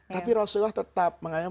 tapi rasulullah tetap mengingat